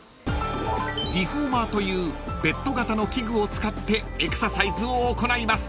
［リフォーマーというベッド型の器具を使ってエクササイズを行います］